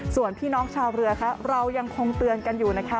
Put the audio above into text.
ส่วนพี่น้องชาวเรือค่ะเรายังคงเตือนกันอยู่นะคะ